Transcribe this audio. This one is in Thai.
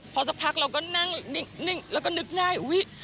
พอสักพักเราก็นั่งนิ่งแล้วก็นึกได้อุ๊ย